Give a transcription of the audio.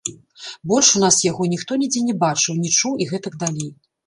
Больш у нас яго ніхто нідзе не бачыў, не чуў і гэтак далей.